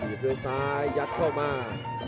ด้วยซ้ายยัดเข้ามา